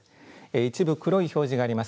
一部黒い表示があります。